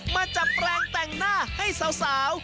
มาจับแปลงแต่งหน้าให้สาว